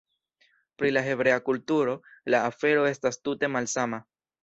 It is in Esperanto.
Pri la hebrea kulturo, la afero estas tute malsama.